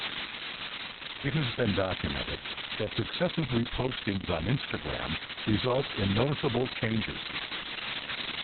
It has been documented that successive repostings on Instagram results in noticeable changes.